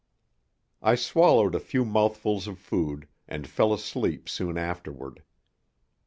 I swallowed a few mouthfuls of food and fell asleep soon afterward.